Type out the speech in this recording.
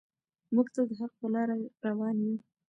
موږ تل د حق په لاره روان یو.